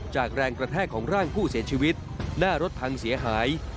แรงกระแทกของร่างผู้เสียชีวิตหน้ารถพังเสียหาย